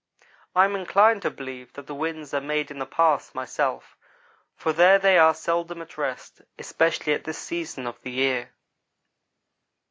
I am inclined to believe that the winds are made in that Pass, myself, for there they are seldom at rest, especially at this season of the year.